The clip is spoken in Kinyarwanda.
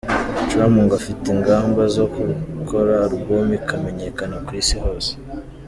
com, ngo afite ingamba zo gukora album ikamenyekana ku isi hose.